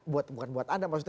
bukan buat anda maksudnya